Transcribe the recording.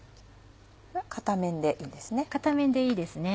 片面でいいんですね？